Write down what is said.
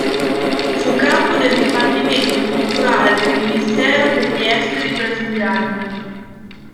Fu capo del dipartimento culturale del ministero degli esteri brasiliano.